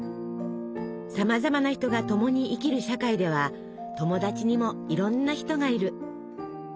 さまざまな人が共に生きる社会では友達にもいろんな人がいる。